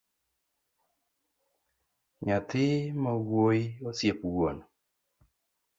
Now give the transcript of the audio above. Nyathi mawuoyi osiep wuon